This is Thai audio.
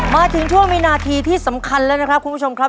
มาถึงช่วงวินาทีที่สำคัญแล้วนะครับคุณผู้ชมครับ